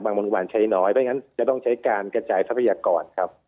บางโรงพยาบาลใช้น้อยเพราะฉะนั้นจะต้องใช้การกระจายทรัพยากรครับ